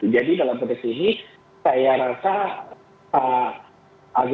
jadi dalam konteks ini saya rasa pak agus dut patria dengan pak hendra akan memiliki pidana yang sama